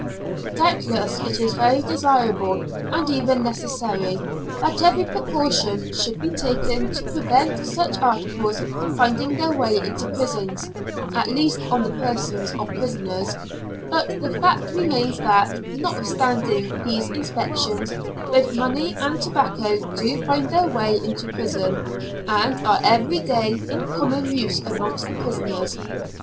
Doubtless it is very desirable, and even necessary, that every precaution should be taken to prevent such articles finding their way into prisons at least on the persons of prisoners but the fact remains that, notwithstanding these inspections, both money and tobacco do find their way into prison, and are every day in common use amongst the prisoners.